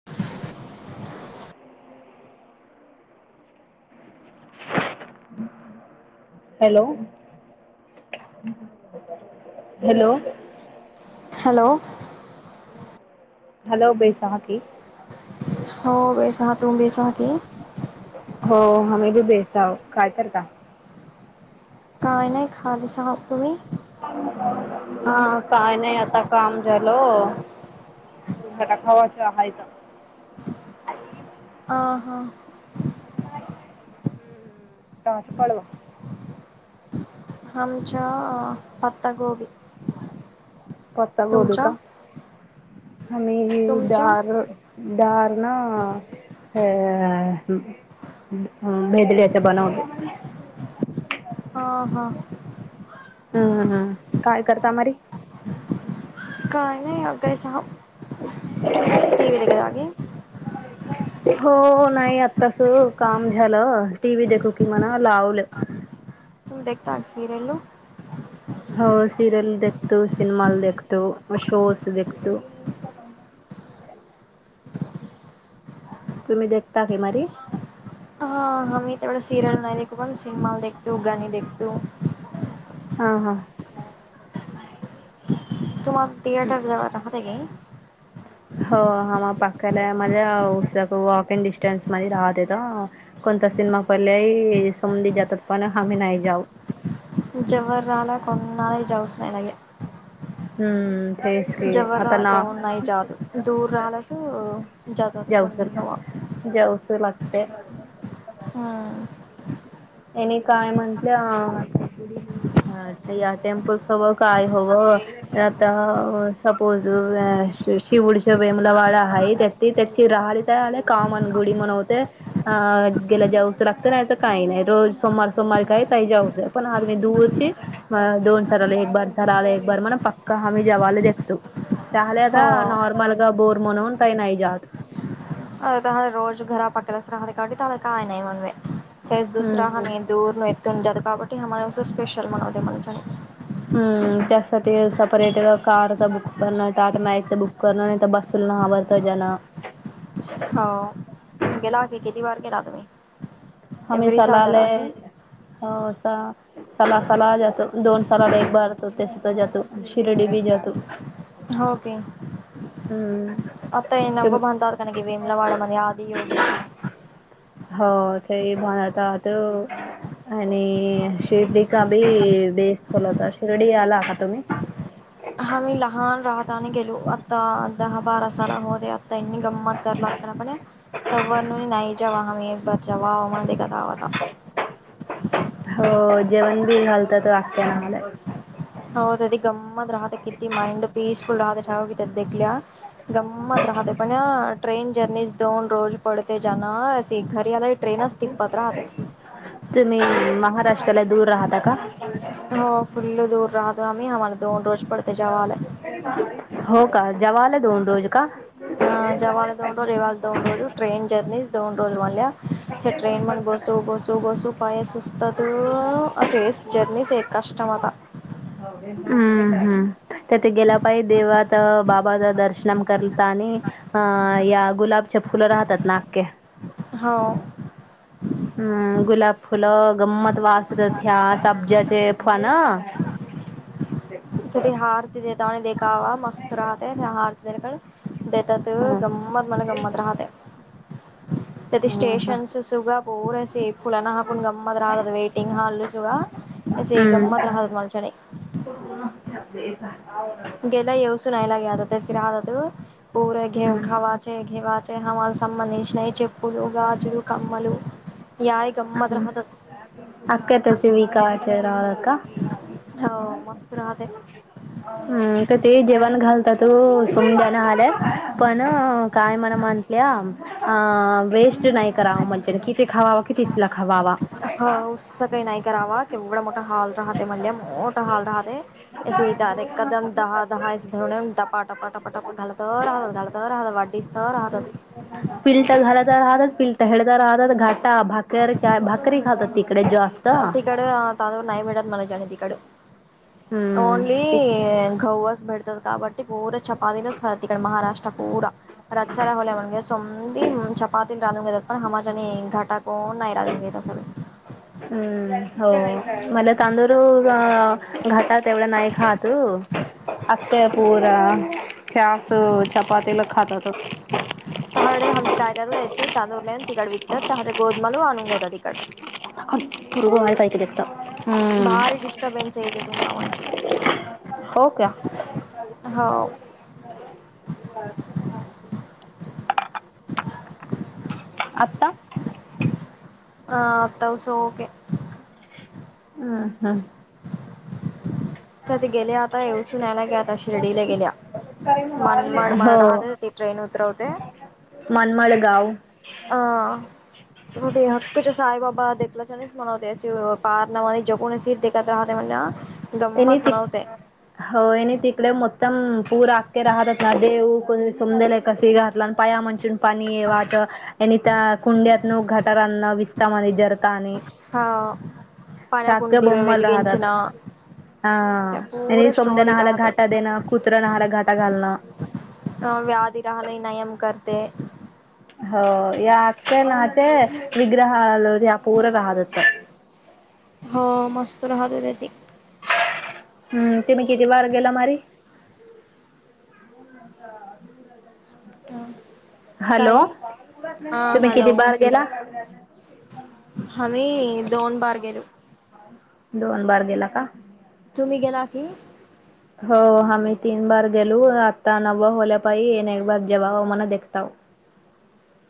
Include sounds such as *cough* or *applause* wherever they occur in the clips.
*unintelligible* Hello hello hello hello बैसहा की हो बेस ह तू बेस की हो आमही तू बेस काय कर का काय नाही खाली सहाब कुम्ही हा काही नाही आता काम झालो घटा खावाचा आहेय का ह हा अच काच पळवा आमच्या पत्तागोबी पता गोबी तुमच्या का हमी तुमच्या दार दारणा ह भेदलेच्या बनवत हा हा हम्म हम्म काय करतामारी का नाही अ स चु टी व जाग हो का हो नाही आतास काम झालं टी व्ही देखू कि म्हणा लावलं त देेक्टासरेलो हो सिरयल दखत सिनेमाल देखत शोस दखत तुम्ही देखता किमारी हा ममही तेला सिरिएल नाही देखू पण सिनेमाख गाखतू हा हा तुम्हाला थिएटर जव राहतय काी ह हो हा म पकायला मझ स वॉकिंग डिस्टन्स मध्ये राहत येत. कोणता सिनेमा परल्याय समधी जातात पण आम्ही नाही जाऊ. जवर आला कोणाला जाऊसयलागे हम्म तेच. की जबर आता ना कोनाई जाद दूर रलास जातात कोणी जेवसू लागते. हम. त्याने काय म्हंटलं. या टेम्पल्स हवं काय हवं. आता सपोज शिवडीच्या वेमला वाडा आहे त्या ती त्याची राहली त्या आले कामन गुडी म्हणवते. अ गेला जाऊस लागत नाहीच काही नाही. रोज सोमवार सोमवार काही तही जाऊस पण आद ममी दूरची म दोन सरले एक बर सराले एक बर म्हण पक्कका आम्ही जेवाला देततो. चहलेद हो नारमल ग बोर्मोन उनाई नाही आहे जाात अ रोज घरा पकलाच राहते कावट त्याला काय नाही म्हणवे हेच दुसरा हा हम्म म दूर न यत काबटीमे उ स्पेशल मनाव म्हन हम्म त्यासाठी सपरेट कारच बुक करणं टाटो मॅगच बुक करणं नाही बस सुलनावता जन. हो तुम्ही गेला की किती वार गेला तुम्ही. एव्हरी हमीशला साल जाता आलय की हो अस सला सला जातो दोन सलाला एक बारतो त्यास त जातो शिर्डी बी जातो. होके. हम्म. आता येन ते व बनता आ क वेमला वाडा म्हध्ये यादी होग हो ते म्हणता त आणि शिर्डी का बी बेस खोला होता शिर्डी आला का तुम्ही हमही लहान राहतने गेलो आता दहा बारा सला होते आता इनी गम्मत करलागत. खरा पड्या त न नाही जम एकार ज आ कता आता हो जेवण बी घालतात वागच्या नाला. हो ते गंमत राहत किती माइंड पीसफुल राह ठाव कि त्या देखल्या गंमत राहते पण ट्रेन जर्नी दोन रोज पडते जना. घरी आला ट्रेनचस तिपत राहते. तुम्ही महाराष्ट्राला दूर राहता का. हो फुल्ल दूर राहतो आम्ही आम्हाला दोन रोज पडते जेवा्हाला हो का जवाला दोन रोज का. अ जवा्हाला दोन रोज येव्हा दोन रोजू ट्रेन जर्नी दोन रोज म ट्रेन ममध्ये बस बस बसू पायस उ असत अ ते जर्नी स एक कष्टम आता हम्म हम्म. त्याथे गेला पाहि देवात बाबाच दर्शन करत आणि. अ या गुलाबच्या फुलं राहतात ना्या. हो. हम्म गुलाब फुलं गंमत वासत्या अब्ज्याचे फवान. थ त हार देता देखा वा मस्त रहते त हार. देतात हा. गंमत म्हला गंमत राहते. त हा हा. स्टेशनस सुग बोर आहे फुलाना हाकून गमत राहतात वेटिंग हाल् सुग असे हम्म. गमत राहतात मलचडी हो. गेला येवस नैलागे आत सिर आो ऊर घे हम्म. ख हवा घेवाचे हर संबंधीश नाही. चेपळ गाजू कमल याय गम द रहद अकाताच व काचार का? हो मस्त राहते हम् तर ते जेवण घालत तू सम जा्या ना आल्यात पण काय मणा म्हटल्या अ वेस्ट नाही करावं म्हणजेने किती खावावा कि तिथला खावावा ह उस काही नाही करावा क बडा मोठा हॉल राहते मलि मोठा हॉल राहते. सट एकदम दहा दहा इ दधनेन टपा टपपा टपपा टप घलत राह घलत राहद वाढडी. तर राहतात पिलता झााय तर राहतात पिलता खळता राहतात घाट भाकररी काय भाकरी खात तिकडे जास्त. तिकडं तवर नाही मिळत. मला जाणे तिकड हम्म ती- ओनली गव्वास भडतात काबटी पूरा चपाातनेच कात इकड महाराष्ट्र पूरा. रचार होले म्हणग समंदी पाातील राधून घेतात पण हमाच्याने घटा कोण नाही राधून घेत सगळ हम्म हो मला तांदूळ घटात तेवढं नाही खात असतय पूरा स चपातीला खातातच तहाडे हमची काय क यायची तांदूळले तिकड विकत तहा गोदमालू आणून घेतात. तिकड ूर्व मला काहितीत भारी डिस्टर्बन्स येते तुम्हा म्हचून हो का हो. का आत्ता हा आतास ओके हम हम आ ते गेल्या आता येवसूनयला ग आता शिर्डीला गेल्या मनमाड मड हो राहते ती ट्रेन उतरवते मनमडगाव अं ते हक् च साई बाबा देखलाचस मना होते अस पारनावा जगण अ अस म्हण त्यांनी त होय आणि तिकडे मतम पूर आखखे राहतच ना देऊ को समदल आहे कासिगार पाया म्हण पनी वाच ए त कुंड्यातन घटर न विस्तम आणि जरता आणि हा पण्याकंडीव बोंबल राहतात. वलीगचना हा आणि समद्या नहायला घाटा राहतात देण कुत्रा नहायला घाटा घालण अ व्याधी राहाले नयम करते हो याच्या नाचे विग्रह आल पूरकहात होत हो मस्त राहतो ते ते हम्म तुम्ही किती वार गेला मारी ह का अ हॅलो काय हा तुम्ही किती बार गेला आम् दोन बार गेलो दोन बार गेला का तुम्ही गेला की हो आम्ही तीन बार गेलो आत्ता नव् होल्या पाईने एक बार जवा हो म देताव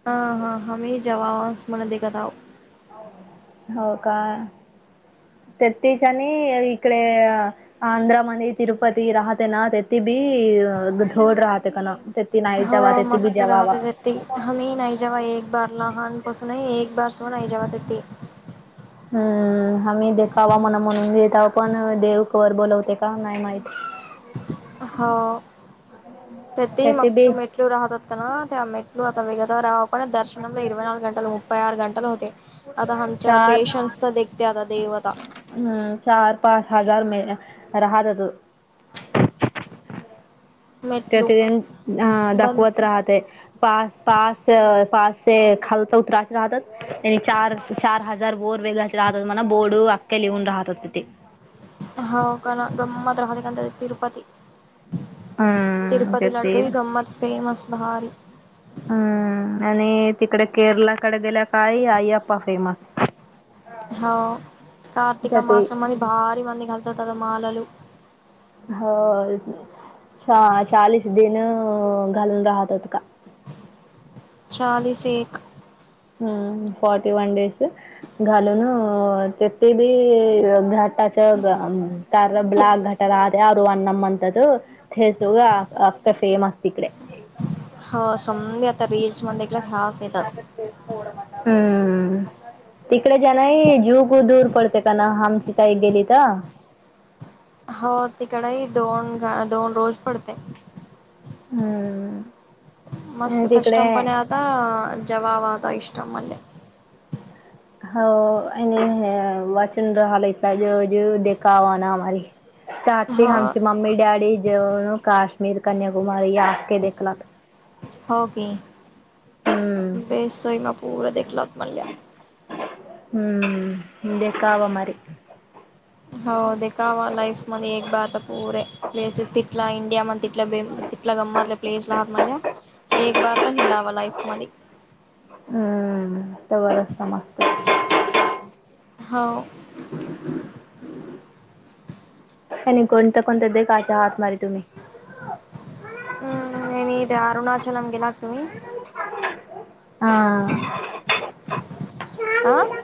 हा हा हम्ही जवावास म्हणा दिखत आव हो का तेतीच्या आणि इकडे आध्रा मनी तिरुपती राहते ना तेथ भी झोड राहते का ना ते नाही जेवा हो तेथे बी मस्त जेवावा राहते ते हम्ही नाही जवा एक बार लहानपासूनही एक बार सुड नाही जवा तिे हम्म आम्ही देखावा म्हन म्हणून देत पण देव वर बोलवते का नाही माहि हो ते तेही तेथे मस्त बी मेट राहतात का ना तेमेटल आता वेग राहत पण दर्शन ला इरवई नल गंल मुपई आर गटल होते *inaudible* आता आमच्या चार पेशन्सचा देखते आता देवता हम् चार पाच हजार मे राहतात. मेटलू कतिदन अं बंद दाखवत राहते *inaudible* पास पास पास खालत उत्रच राहतात *inaudible* त्यां चार चार हजार वोर वेगळाच राहत हो म्हणा बोडू अखख्या लिहून राहत होते ते ह हो का ना गमात होळ कांत तिरपती *inaudible* हम्म ते तिरूपती ते लड्डू ह गंमत फेमस भारी *inaudible* हम आणि तिकडे केरलाकडे गेल्या काळी आईप्पा फेमस *inaudible* हो कार्तिक त्या ते मास मध्ये भारी मंद घालतात आता मलल *inaudible* हो चाळीस दिन घालून राहत होत का *inaudible* चाळीस एक हम्म फर्ट वान डेज घालून तेे बी घ *inaudible* च त रबला घटराात *inaudible* अर अणम अंत सग अका फेमस इकडे *inaudible* हो संमधी आता रीलल्स मल्या हास येतात हम्म तिकडे जाण जू *inaudible* खू दूर पडते का आमची तई गेली तर *inaudible* हो तिकडेही दोन दोन रोज पडते. हम मस्त कष्ट पणे आता जवाब आता इष्टम मलेे *inaudible* हो आणि वाचन राहाल इला ज जे देखा आवाना आमारी *inaudible* चाट हो हमची मममी ॅडी जेवन काशमीर कन्याकुमारी आख देखला *inaudible* हो की हम्म. बेसोय पूर देखलात म्हल्या *inaudible* हम्म हे कावा मारी *inaudible* हो दे कावा लाईफ मध्ये एक बारता प पुरे *inaudible* प्लेसेस तिला इंडिया म तिल्या बे तला गमतल्या प्लेसला आहात म्हण *inaudible* एक बार तर हिंडावा लाईफ मध्ये *inaudible* हम्म त्या वचता मस्त *inaudible* हो *inaudible* हम् का नाही कोणता कोणत दे काचा हात मारी तुम्ही *inaudible* हम्म नन अरुणाचलम गेलागतन *inaudible* हा *inaudible* आं *inaudible*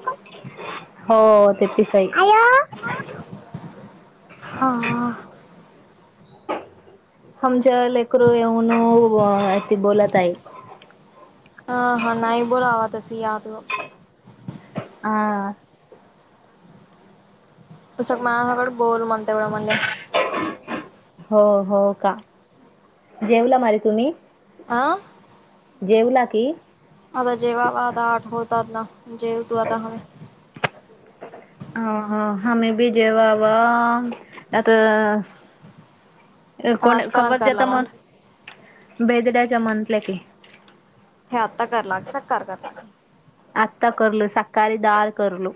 हो ते पिसई *inaudible* हा *inaudible* आमच्या लेकरू येऊन ती बोलत आहेई *inaudible* हा हा नाही बोला आवा तस याद *inaudible* ह *inaudible* त सग माॅ सगडं बोल म्हणते एवढं म्हणजे *inaudible* हो हो का जेवला मर तुम्ही *inaudible* आं *inaudible* जेवला की *inaudible* आता जेवावा आता आठवतात ना जेव तू आता हम अ ह हमही बी जेव वा आता कोण काजकारण खबर करला जता म मग भेदड्याच्या म्हणल्या की इ आता कर लागे सकार कर लागे आता करलो सकाारी ाल करलो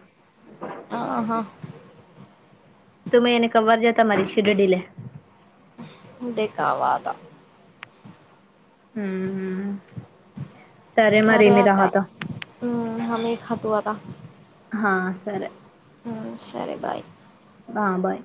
ह हा त म एने कवर जता माझ शिडडीले अे कावाता सरे आता हम् हमही खातू आता हा सर ह सर बाय हा बार